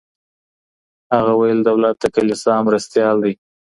هغه ويل دولت د کليسا مرستيال دی.